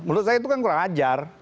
menurut saya itu kan kurang wajar